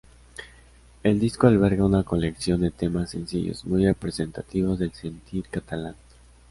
El disco alberga una colección de temas sencillos, muy representativos del sentir catalán.